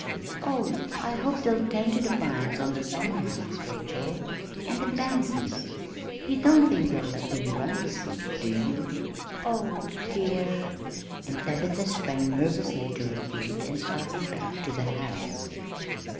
"Oh, I hope they'll tend to the vines on the summerhouse, Rachel, and the pansies you don't think they'll let them run to seed, do you? Oh, dear!" And Tabitha sprang nervously to her feet and started back to the house.